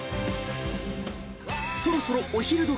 ［そろそろお昼時。